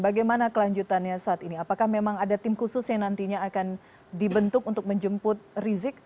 bagaimana kelanjutannya saat ini apakah memang ada tim khusus yang nantinya akan dibentuk untuk menjemput rizik